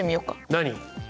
何？